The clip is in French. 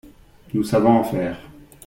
Nous savons en faire.